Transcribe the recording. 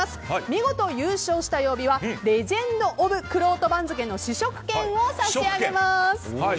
見事、優勝した曜日はレジェンド・オブ・くろうと番付の試食券を差し上げます。